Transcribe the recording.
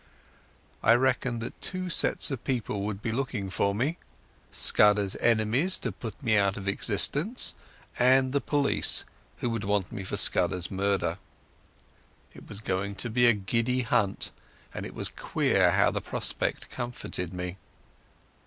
I reckoned that two sets of people would be looking for me—Scudder's enemies to put me out of existence, and the police, who would want me for Scudder's murder. It was going to be a giddy hunt, and it was queer how the prospect comforted me.